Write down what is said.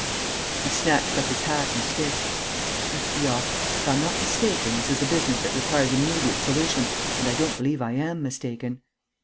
He snatched up his hat and stick: "Let's be off. If I'm not mistaken, this is a business that requires immediate solution; and I don't believe I am mistaken."